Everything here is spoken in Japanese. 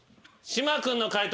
島君の解答